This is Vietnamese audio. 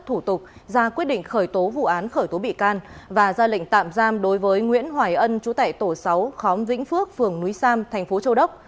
thủ tục ra quyết định khởi tố vụ án khởi tố bị can và ra lệnh tạm giam đối với nguyễn hoài ân chủ tệ tổ sáu khóm vĩnh phước phường núi sam tp châu đốc